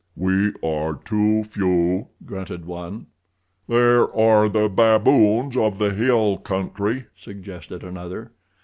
"We are too few," grunted one. "There are the baboons of the hill country," suggested another.